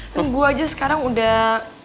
dan gue aja sekarang udah